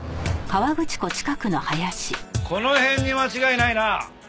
この辺に間違いないな。